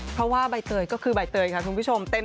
เพราะว่าใบเตยก็คือใบเตยค่ะคุณผู้ชม